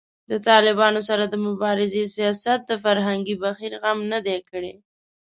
د طالبانو سره د مبارزې سیاست د فرهنګي بهیر غم نه دی کړی